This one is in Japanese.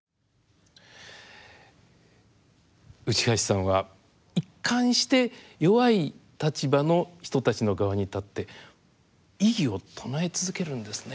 内橋さんは一貫して弱い立場の人たちの側に立って異議を唱え続けるんですね。